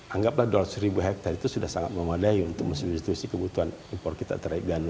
anggaplah dua ratus ribu hektare itu sudah sangat memadai untuk mesinstitusi kebutuhan impor kita terhadap gandum